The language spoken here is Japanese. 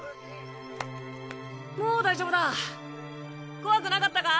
もう大丈夫だ怖くなかったか？